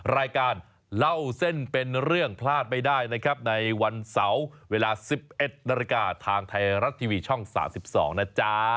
รายการเล่าเส้นเป็นเรื่องพลาดไม่ได้นะครับในวันเสาร์เวลา๑๑นาฬิกาทางไทยรัฐทีวีช่อง๓๒นะจ๊ะ